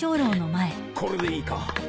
これでいいか？